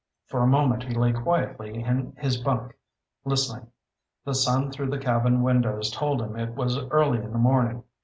For a moment he lay quietly in his bunk, listening. The sun through the cabin windows told him it was early in the morning.